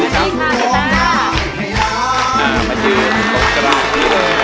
สวัสดีค่ะกีตาร์